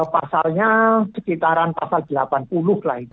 pasalnya sekitaran pasal delapan puluh lah itu